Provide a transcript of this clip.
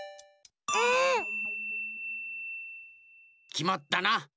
きまったな。